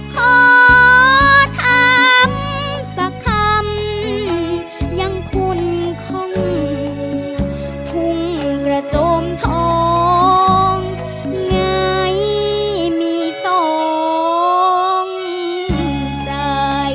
ขอทำสักคำยังคุ้นข้องทุ่งระจมทองไงมีต้องใจ